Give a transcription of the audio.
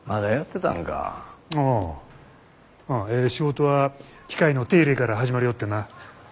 ええ仕事は機械の手入れから始まるよってな。